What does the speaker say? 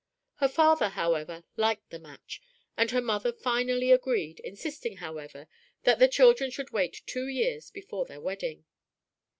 Her father, however, liked the match, and her mother finally agreed, insisting, however, that the children should wait two years before their wedding.